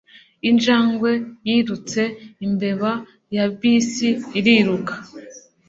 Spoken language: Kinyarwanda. Injangwe yirutse imbere ya bisi iriruka